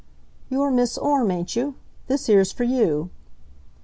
"You're Mis' Orme, ain't you? This here's for you."